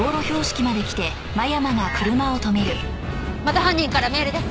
また犯人からメールです。